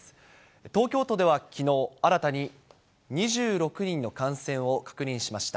東京都ではきのう、新たに２６人の感染を確認しました。